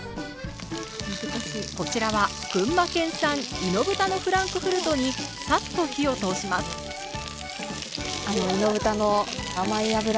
こちらは群馬県産猪豚のフランクフルトにさっと火を通しますせのはい！